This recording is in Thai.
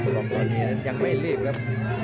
ตอนนี้ยังไม่รีบครับ